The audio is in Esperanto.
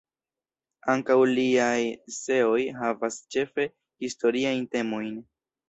Ankaŭ liaj eseoj havas ĉefe historiajn temojn.